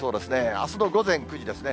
あすの午前９時ですね。